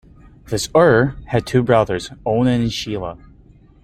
This Er had two brothers, Onan and Shelah.